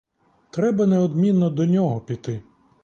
Треба неодмінно до нього піти.